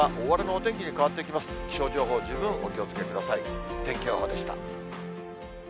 天気予報でした。